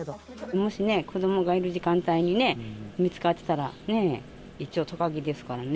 もしね、子どもがいる時間帯にね、見つかったらね、一応、トカゲですからね。